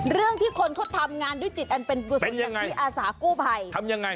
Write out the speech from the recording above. เรื่องที่คนเขาทำงานด้วยจิตอันเป็นกุศลอย่างที่อาสากู้ภัยทำยังไง